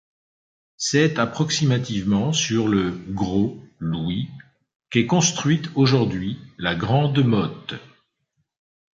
C'est approximativement sur le Grau-Louis qu'est construite aujourd'hui La Grande-Motte.